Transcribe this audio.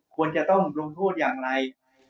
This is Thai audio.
ควรจะต้องลงโทษอย่างไร